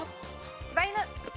柴犬！